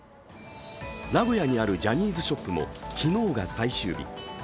名古屋にあるジャニーズショップも昨日が最終日。